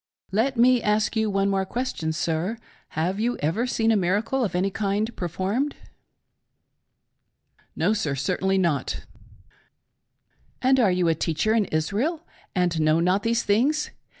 Let me ask you one more question sir — Have j/^« ever seen a miracle of any kind performed.' L. P. : No sir. Certainly not ! M. : And are you a teacher in Israel and know not these things